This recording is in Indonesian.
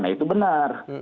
nah itu benar